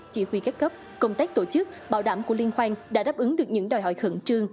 chỉ huy các cấp công tác tổ chức bảo đảm của liên hoan đã đáp ứng được những đòi hỏi khẩn trương